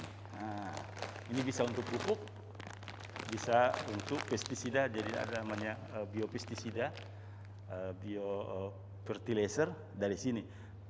nah ini bisa untuk pupuk bisa untuk pesticida jadi ada namanya biopesticida biovertilezer dari sini